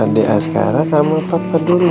adik sekarang kamu papa dulu ya